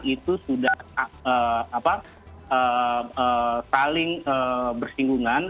itu sudah saling bersinggungan